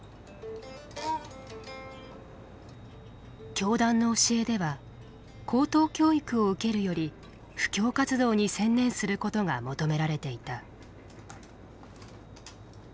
教団の教えでは高等教育を受けるより布教活動に専念することが求められていた。